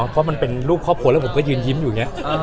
เพราะมันเป็นรูปครอบครัวแล้วผมก็ยืนยิ้มอยู่อย่างนี้